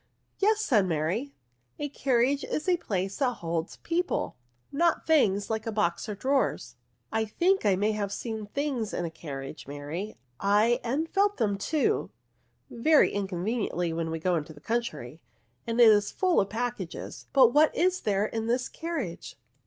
'^ Yes," said Mary, " a carriage is a place that holds people^ not things like a box or drawers," " I think I have seen things in a carriage, Mary, ay, and felt them too, very inconve niently, when we go into the country, and it is full of packages ; but what is there in this carriage?"